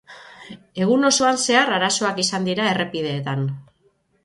Egun osoan zehar arazoak izan dira errepideetan.